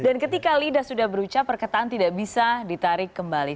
dan ketika lidah sudah beruca perketaan tidak bisa ditarik kembali